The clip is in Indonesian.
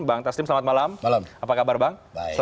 bang taslim selamat malam apa kabar bang